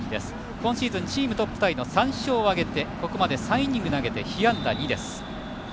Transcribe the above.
今シーズン、チームトップタイの３勝を挙げてここまで３イニング投げて被安打２です。